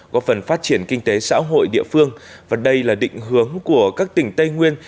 góp phần phát triển kinh tế xã hội địa phương và đây là định hướng của các tỉnh tây nguyên